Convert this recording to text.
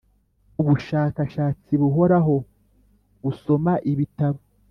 ubushakashatsi buhoraho usoma ibitabo